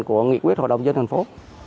của nghị quyết hội đồng dân thành phố